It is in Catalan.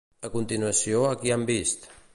A continuació, a qui han vist?